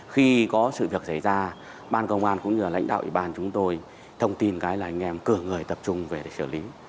khi có sự việc xảy ra ban công an cũng như là lãnh đạo ủy ban chúng tôi thông tin cái là anh em cử người tập trung về để xử lý